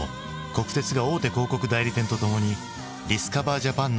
国鉄が大手広告代理店とともに「ディスカバー・ジャパン」